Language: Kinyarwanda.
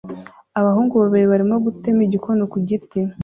Abahungu babiri barimo gutema igikona ku giti